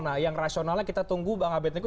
nah yang rasionalnya kita tunggu bang abed niko